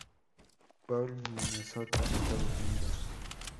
Paul, Minnesota, Estados Unidos.